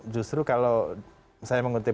justru kalau saya mengutip